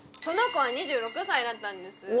その子は２６歳だったんです